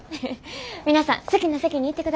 皆さん好きな席に行ってください。